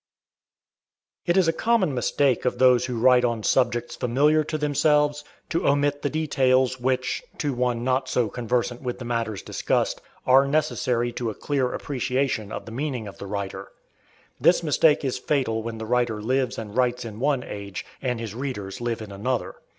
It is a common mistake of those who write on subjects familiar to themselves, to omit the details, which, to one not so conversant with the matters discussed, are necessary to a clear appreciation of the meaning of the writer. This mistake is fatal when the writer lives and writes in one age and his readers live in another.